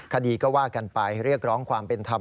คดีก็ว่ากันไปเรียกร้องความเป็นธรรม